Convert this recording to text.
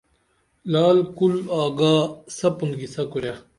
لعل کُل آگا سپُن قصہ کُرے